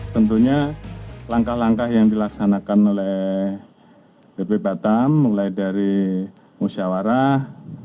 tentunya langkah langkah yang dilaksanakan oleh bp batam mulai dari musyawarah